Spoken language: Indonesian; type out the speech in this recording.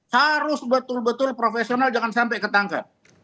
harus betul betul profesional jangan sampai ketangkap